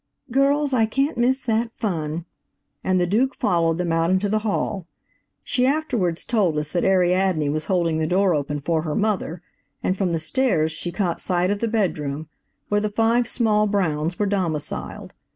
"Girls, I can't miss that fun," and the Duke followed them out into the hall. She afterwards told us that Ariadne was holding the door open for her mother, and from the stairs she caught sight of the bedroom where the five small Browns were domiciled.